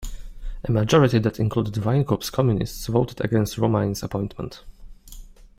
A majority that included Wijnkoop's communists voted against Romein's appointment.